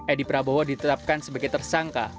edi prabowo ditetapkan sebagai tersangka